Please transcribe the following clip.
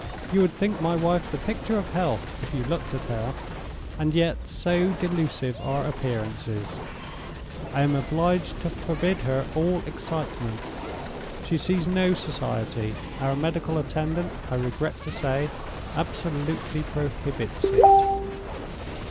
You would think my wife the picture of health if you looked at her, and yet, so delusive are appearances, I am obliged to forbid her all excitement. She sees no society—our medical attendant, I regret to say, absolutely prohibits it."